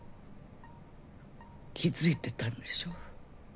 気付いてたんでしょ？